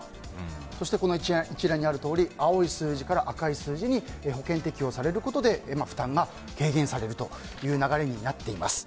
そしてこの一覧にあるとおり青い数字から赤い数字に保険適用されることで負担が軽減されるという流れになっています。